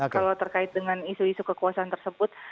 kalau terkait dengan isu isu kekuasaan tersebut